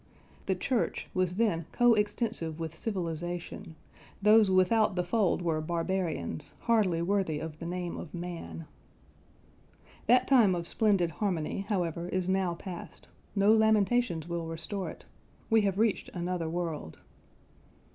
"The Church" was then co extensive with civilisation: those without the fold were barbarians, hardly worthy of the name of man. That time of splendid harmony, however, is now past; no lamentations will restore it. We have reached another world.